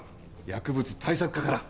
薬物対策課から。